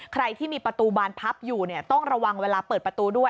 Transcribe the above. ใครที่มีประตูบานพับอยู่ต้องระวังเวลาเปิดประตูด้วย